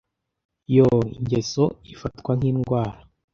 yoo ingeso ifatwa nk’indwara